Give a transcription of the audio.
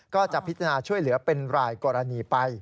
ก็จะพิจารณาช่วยเหลือเป็นรายกรณีไป